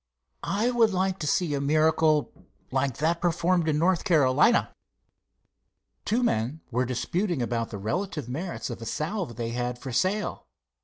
I would like to see a miracle like that performed in North Carolina. Two men were disputing about the relative merits of the salve they had for sale.